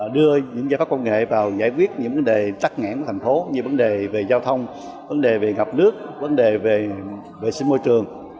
đưa những giải pháp công nghệ vào giải quyết những vấn đề tắc nghẽn của thành phố như vấn đề về giao thông vấn đề về ngập nước vấn đề về vệ sinh môi trường